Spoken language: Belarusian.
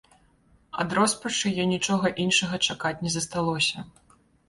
Ад роспачы ёй нічога іншага чакаць не засталося.